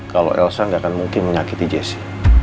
kalo elsa gak akan mungkin menyakiti jesse